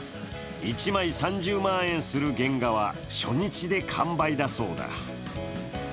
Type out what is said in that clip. １枚３０万円する原画は初日で完売だそうだ。